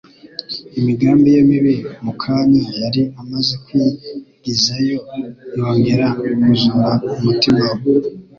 imigambi ye mibi mu kanya yari amaze kwigizayo, yongera kuzura umutima we.